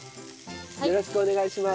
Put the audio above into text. よろしくお願いします。